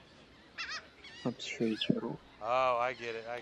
Аԥсшьаҩцәа роуп.